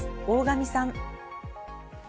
大神さん。